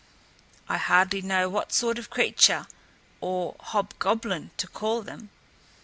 I hardly know what sort of creature or hobgoblin to call them.